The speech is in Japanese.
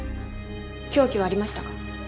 凶器はありましたか？